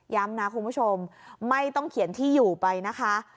นะคุณผู้ชมไม่ต้องเขียนที่อยู่ไปนะคะ